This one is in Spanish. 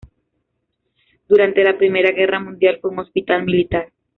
Durante la primera guerra mundial fue un hospital militar.